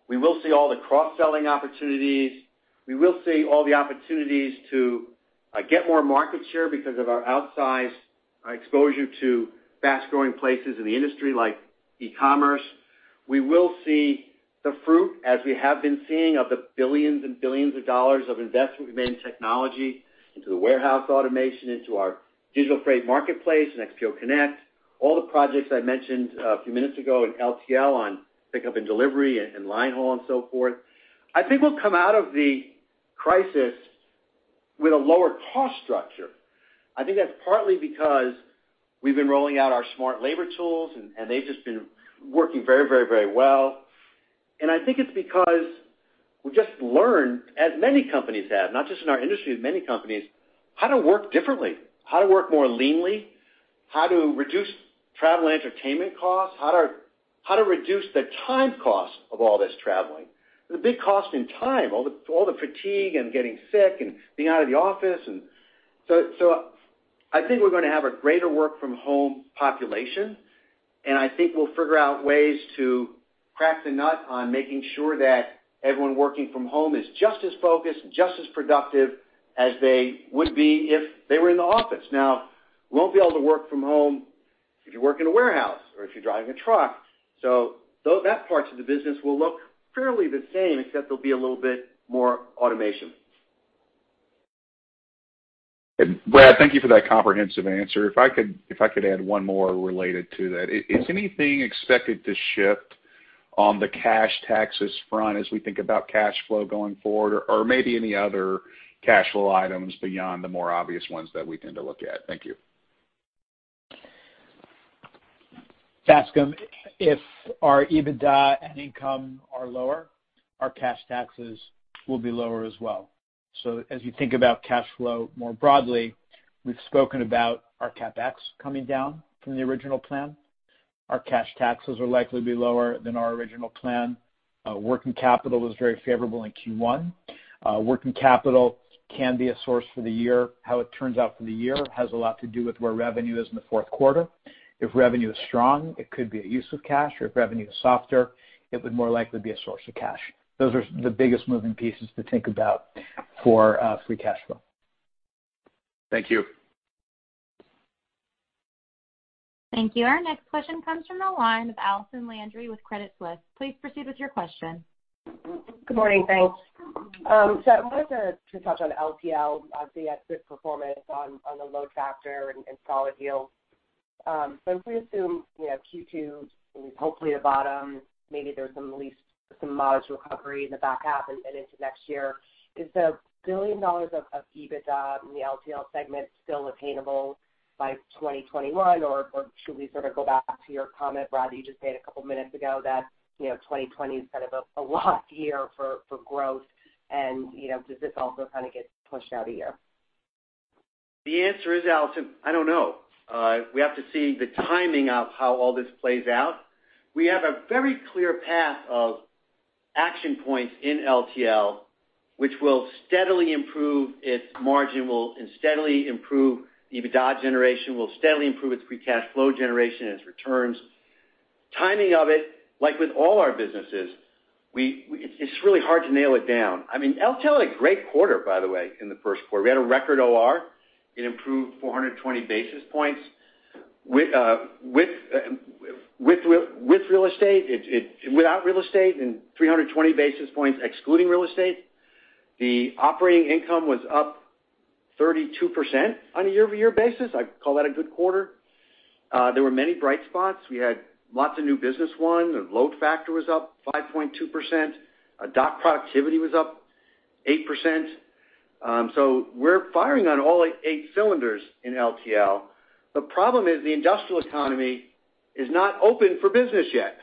We will see all the cross-selling opportunities. We will see all the opportunities to get more market share because of our outsized exposure to fast-growing places in the industry like e-commerce. We will see the fruit, as we have been seeing, of the billions and billions of dollars of investment we've made in technology, into the warehouse automation, into our digital freight marketplace and XPO Connect, all the projects I mentioned a few minutes ago in LTL on pickup and delivery and line haul and so forth. I think we'll come out of the crisis with a lower cost structure. I think that's partly because we've been rolling out our smart labor tools, and they've just been working very well. I think it's because we just learned, as many companies have, not just in our industry, as many companies, how to work differently, how to work more leanly, how to reduce travel entertainment costs, how to reduce the time cost of all this traveling, the big cost in time, all the fatigue and getting sick and being out of the office. I think we're going to have a greater work from home population, I think we'll figure out ways to crack the nut on making sure that everyone working from home is just as focused and just as productive as they would be if they were in the office. Now, you won't be able to work from home if you work in a warehouse or if you're driving a truck. That part of the business will look fairly the same, except there'll be a little bit more automation. Brad, thank you for that comprehensive answer. If I could add one more related to that. Is anything expected to shift on the cash taxes front as we think about cash flow going forward? Maybe any other cash flow items beyond the more obvious ones that we tend to look at? Thank you. Bascome, if our EBITDA and income are lower, our cash taxes will be lower as well. As you think about cash flow more broadly, we've spoken about our CapEx coming down from the original plan. Our cash taxes are likely to be lower than our original plan. Working capital was very favorable in Q1. Working capital can be a source for the year. How it turns out for the year has a lot to do with where revenue is in the fourth quarter. If revenue is strong, it could be a use of cash. If revenue is softer, it would more likely be a source of cash. Those are the biggest moving pieces to think about for free cash flow. Thank you. Thank you. Our next question comes from the line of Allison Landry with Credit Suisse. Please proceed with your question. Good morning. Thanks. I wanted to touch on LTL, obviously, that good performance on the load factor and solid yield. If we assume Q2 is hopefully the bottom, maybe there's some modest recovery in the back half and into next year. Is the $1 billion of EBITDA in the LTL segment still attainable by 2021? Should we sort of go back to your comment, Brad, that you just made a couple of minutes ago that 2020 is kind of a lost year for growth, and does this also kind of get pushed out a year? The answer is, Allison, I don't know. We have to see the timing of how all this plays out. We have a very clear path of action points in LTL, which will steadily improve its margin and steadily improve the EBITDA generation, will steadily improve its free cash flow generation and its returns. Timing of it, like with all our businesses, it's really hard to nail it down. LTL had great quarter, by the way, in the first quarter. We had a record OR. It improved 420 basis points with real estate—without real estate and 320 basis points excluding real estate. The operating income was up 32% on a year-over-year basis. I'd call that a good quarter. There were many bright spots. We had lots of new business won. The load factor was up 5.2%. Dock productivity was up 8%. We're firing on all eight cylinders in LTL. The problem is the industrial economy is not open for business yet.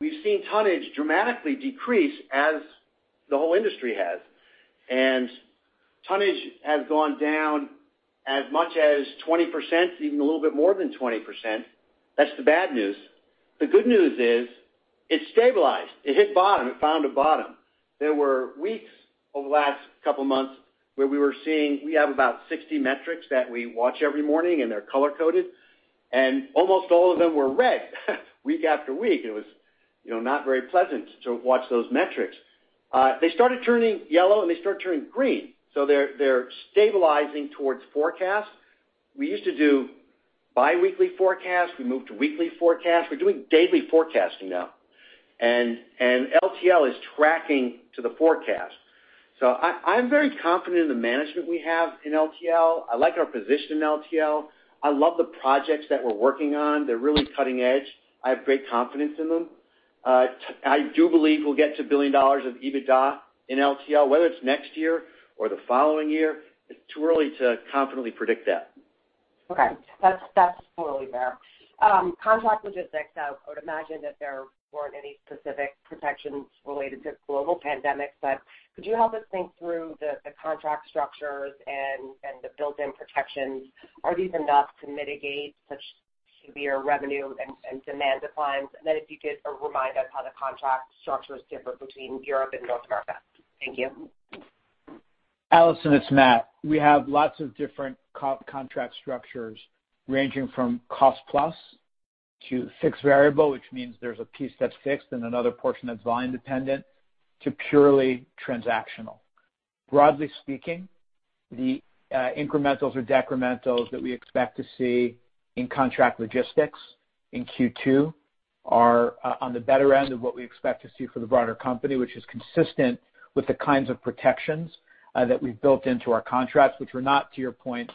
We've seen tonnage dramatically decrease as the whole industry has. Tonnage has gone down as much as 20%, even a little bit more than 20%. That's the bad news. The good news is it stabilized. It hit bottom. It found a bottom. There were weeks over the last couple of months where we were seeing, we have about 60 metrics that we watch every morning, and they're color-coded, and almost all of them were red week after week. It was not very pleasant to watch those metrics. They started turning yellow, and they started turning green. They're stabilizing towards forecast. We used to do biweekly forecasts. We moved to weekly forecasts. We're doing daily forecasting now, and LTL is tracking to the forecast. I'm very confident in the management we have in LTL. I like our position in LTL. I love the projects that we're working on. They're really cutting edge. I have great confidence in them. I do believe we'll get to $1 billion of EBITDA in LTL. Whether it's next year or the following year, it's too early to confidently predict that. Okay. That's totally fair. Contract logistics, I would imagine that there weren't any specific protections related to global pandemics, but could you help us think through the contract structures and the built-in protections? Are these enough to mitigate such severe revenue and demand declines? If you could remind us how the contract structures differ between Europe and North America. Thank you. Allison, it's Matt. We have lots of different contract structures ranging from cost plus to fixed variable, which means there's a piece that's fixed and another portion that's volume dependent, to purely transactional. Broadly speaking, the incrementals or decrementals that we expect to see in contract logistics in Q2 are on the better end of what we expect to see for the broader company, which is consistent with the kinds of protections that we've built into our contracts, which were not, to your point,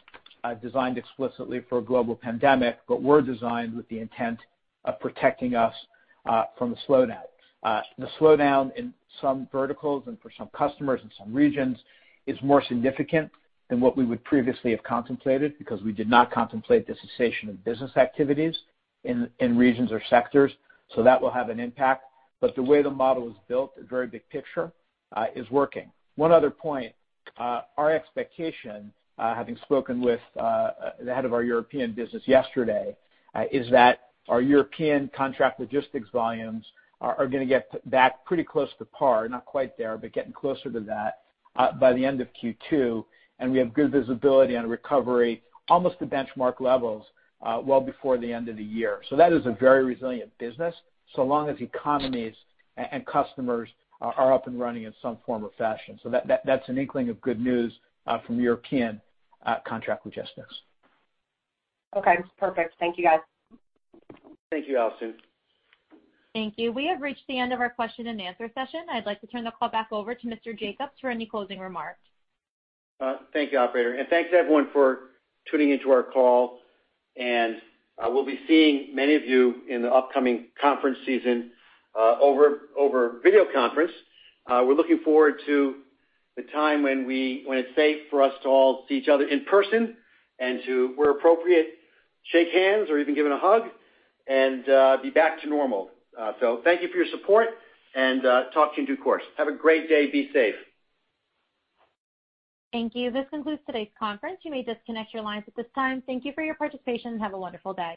designed explicitly for a global pandemic, but were designed with the intent of protecting us from the slowdown. The slowdown in some verticals and for some customers in some regions is more significant than what we would previously have contemplated because we did not contemplate the cessation of business activities in regions or sectors. That will have an impact. The way the model is built, very big picture, is working. One other point. Our expectation, having spoken with the head of our European business yesterday, is that our European contract logistics volumes are going to get back pretty close to par, not quite there, but getting closer to that, by the end of Q2. We have good visibility on recovery, almost to benchmark levels, well before the end of the year. That is a very resilient business, so long as economies and customers are up and running in some form or fashion. That's an inkling of good news from European contract logistics. Okay, perfect. Thank you, guys. Thank you, Allison. Thank you. We have reached the end of our question and answer session. I'd like to turn the call back over to Mr. Jacobs for any closing remarks. Thank you, operator. Thanks, everyone, for tuning into our call, and we'll be seeing many of you in the upcoming conference season over video conference. We're looking forward to the time when it's safe for us to all see each other in person and to, where appropriate, shake hands or even give a hug and be back to normal. Thank you for your support, and talk to you in due course. Have a great day. Be safe. Thank you. This concludes today's conference. You may disconnect your lines at this time. Thank you for your participation, and have a wonderful day.